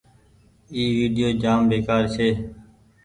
اي ويڊيو جآم بيڪآر ڇي۔